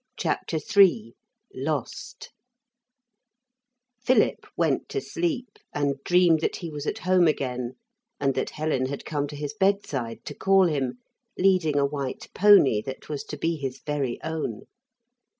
CHAPTER III LOST Philip went to sleep, and dreamed that he was at home again and that Helen had come to his bedside to call him, leading a white pony that was to be his very own.